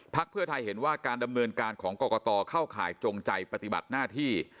เพื่อไทยเห็นว่าการดำเนินการของกรกตเข้าข่ายจงใจปฏิบัติหน้าที่